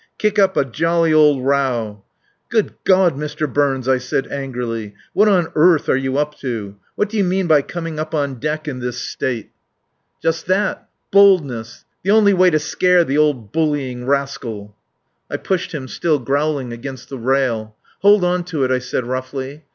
Kick up a jolly old row." "Good God, Mr. Burns," I said angrily. "What on earth are you up to? What do you mean by coming up on deck in this state?" "Just that! Boldness. The only way to scare the old bullying rascal." I pushed him, still growling, against the rail. "Hold on to it," I said roughly.